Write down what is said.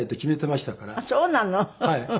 はい。